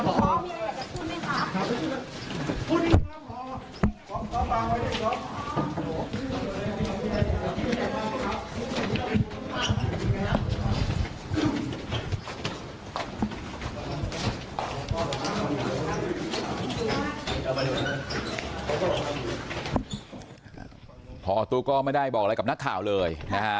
พอตุ๊กก็ไม่ได้บอกอะไรกับนักข่าวเลยนะฮะ